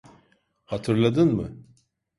Hatırladın mı?